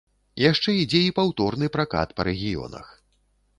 Яшчэ ідзе і паўторны пракат па рэгіёнах.